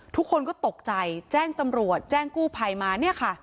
ทุกคนก็ตกใจแจ้งตำรวจแจ้งกู้ภัยมาเนี่ยค่ะ